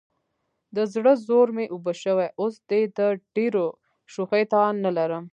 د زړه زور مې اوبه شوی، اوس دې د ډېرو شوخیو توان نه لرم.